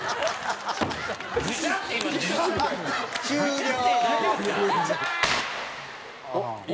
終了。